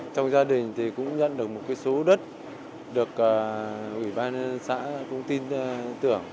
trong gia đình thì cũng nhận được một số đất được ủy ban xã công ty tưởng